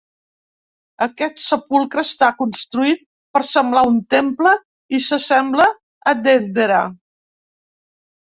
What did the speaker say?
Aquest sepulcre està construït per semblar un temple i s'assembla a Dendera.